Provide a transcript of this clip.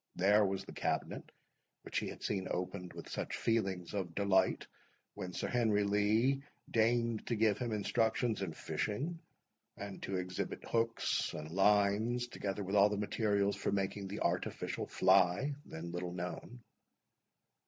There was the cabinet, which he had seen opened with such feelings of delight when Sir Henry Lee deigned to give him instructions in fishing, and to exhibit hooks and lines, together with all the materials for making the artificial fly, then little known.